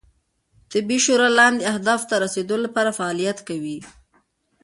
طبي شورا لاندې اهدافو ته رسیدو لپاره فعالیت کوي